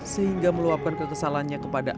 sehingga meluapkan kekesalannya kepadanya